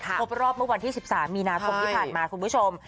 ครบรอบเมื่อวันที่๑๓มีนาคมที่ผ่านมาคุณผู้ชม